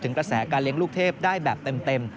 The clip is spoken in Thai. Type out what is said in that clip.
กระแสการเลี้ยงลูกเทพได้แบบเต็ม